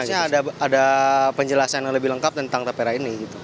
harusnya ada penjelasan yang lebih lengkap tentang tapera ini